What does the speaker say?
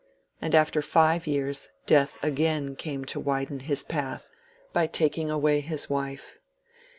And after five years Death again came to widen his path, by taking away his wife.